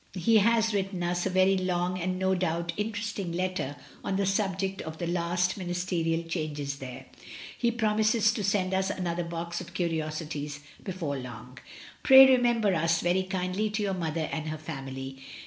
le has written us a very long, and, no doubt, interest ng letter on the subject of the last ministerial no MRS. DYMOND. changes there. He promises to send us another box of curiosities before long. *'Pray remember us very kindly to your mother and her family.